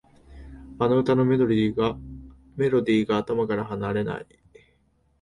あの歌のメロディーが頭から離れない